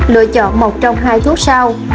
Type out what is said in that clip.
lựa chọn một trong hai thuốc sau